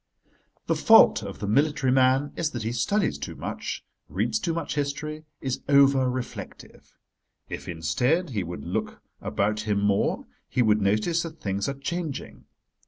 The fault of the military man is that he studies too much, reads too much history, is over reflective. If, instead, he would look about him more he would notice that things are changing.